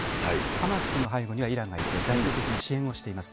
ハマスの背後にはイランがいて、財政的に支援をしています。